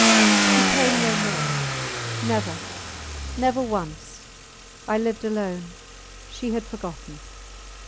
She came no more. Never! Never once! I lived alone. She had forgotten.